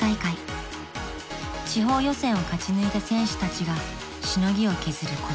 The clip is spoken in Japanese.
［地方予選を勝ち抜いた選手たちがしのぎを削る